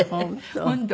本当。